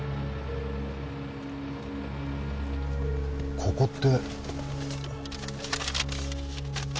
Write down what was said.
ここって。